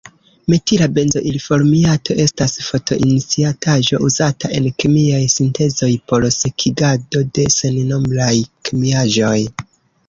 Metila benzoilformiato estas fotoiniciataĵo uzata en kemiaj sintezoj por sekigado de sennombraj kemiaĵoj.